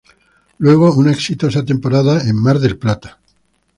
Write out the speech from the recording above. Luego una exitosa temporada en Mar del Plata.